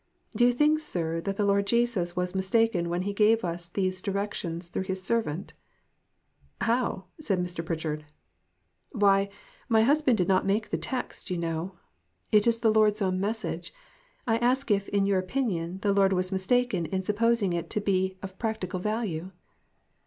"Do you think, sir, that the Lord Jesus was mistaken when he gave us those directions through his servant ?"" How !" said Mr. Pritchard. 46 TOTAL DEPRAVITY. "Why, my husband did not make the text, you know. It is the Lord's own message. I ask if, in your opinion, the Lord was mistaken in sup posing it to be of practical value?"